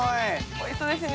おいしそうですね。